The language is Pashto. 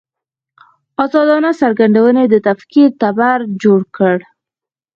ازادانه څرګندونې د تکفیر تبر جوړ کړ.